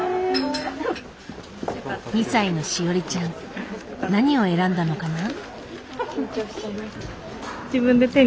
２歳のしおりちゃん何を選んだのかな？